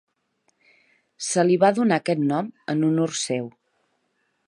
Se li va donar aquest nom en honor seu.